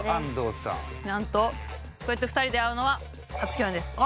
なんとこうやって２人で会うのは初共演です。